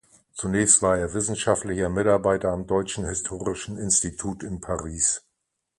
Zunächst war er wissenschaftlicher Mitarbeiter am Deutschen Historischen Institut in Paris.